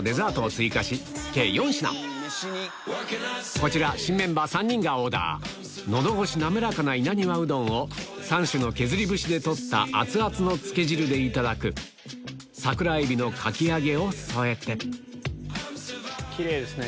こちら新メンバー３人がオーダー喉越し滑らかな稲庭うどんを３種の削り節で取った熱々のつけ汁でいただく桜エビのかき揚げを添えてキレイですね。